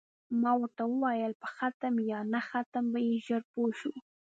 ما ورته وویل: په ختم یا نه ختم به یې ژر پوه شو.